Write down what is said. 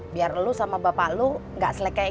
biar lu sama bapak lu gak selek kayak gini